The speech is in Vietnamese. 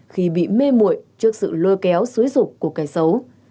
khi bị mê mội trước sự lôi kéo suối rục của kẻ xấu